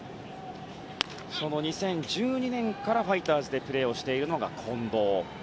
その２０１２年からファイターズでプレーしているのが近藤。